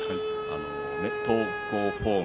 投稿フォーム